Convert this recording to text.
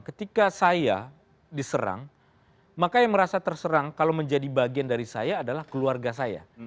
ketika saya diserang maka yang merasa terserang kalau menjadi bagian dari saya adalah keluarga saya